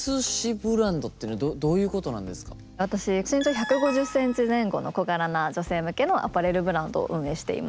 私身長１５０センチ前後の小柄な女性向けのアパレルブランドを運営しています。